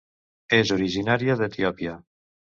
És originària d'Etiòpia.